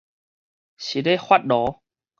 是咧發爐